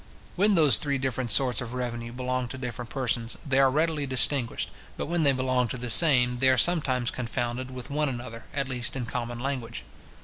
When those three different sorts of revenue belong to different persons, they are readily distinguished; but when they belong to the same, they are sometimes confounded with one another, at least in common language.